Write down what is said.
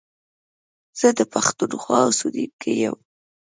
زه د پښتونخوا اوسېدونکی يم